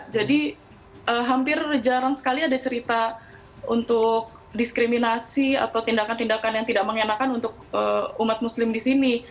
jadi hampir jarang sekali ada cerita untuk diskriminasi atau tindakan tindakan yang tidak mengenakan untuk umat muslim disini